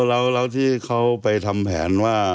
แล้วที่เขาไปทำแผนว่า